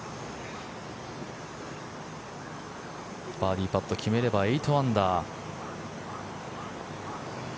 バーディーパット決めれば８アンダー。